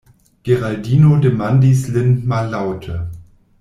Geraldino demandis lin mallaŭte: